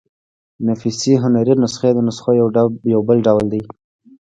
نفیسي هنري نسخې د نسخو يو بل ډول دﺉ.